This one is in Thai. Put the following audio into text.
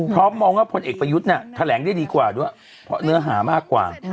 มองว่าพลเอกประยุทธ์เนี่ยแถลงได้ดีกว่าด้วยเพราะเนื้อหามากกว่า